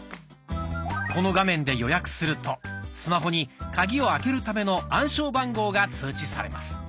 この画面で予約するとスマホにカギを開けるための暗証番号が通知されます。